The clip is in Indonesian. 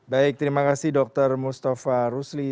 baik terima kasih dokter mustafa rusli